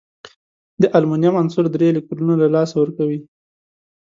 د المونیم عنصر درې الکترونونه له لاسه ورکوي.